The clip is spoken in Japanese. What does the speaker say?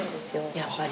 やっぱり。